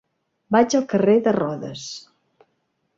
Vaig al carrer de Rodes.